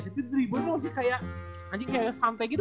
tapi dribble nya masih kayak santai gitu